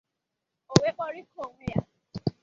o wee kpọrikọọ onwe ya